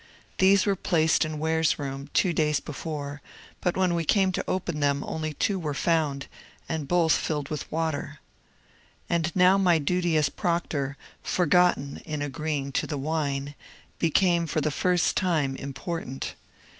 These were placed in Ware's room two days before, but when we came to open them only two were found, and both filled with water. And now my duty as proctor, forgotten in agreeing to the wine, became for the first time important.